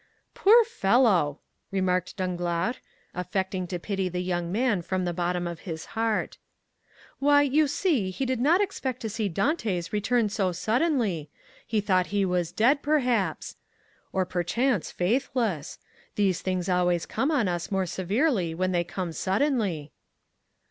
"Poor fellow!" remarked Danglars, affecting to pity the young man from the bottom of his heart. "Why, you see, he did not expect to see Dantès return so suddenly—he thought he was dead, perhaps; or perchance faithless! These things always come on us more severely when they come suddenly."